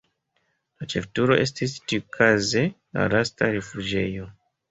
La ĉefturo estis tiukaze la lasta rifuĝejo.